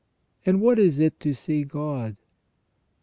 And what is it to see God